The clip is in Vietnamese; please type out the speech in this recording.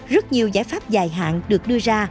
rất nhiều giải pháp dài hạn được đưa ra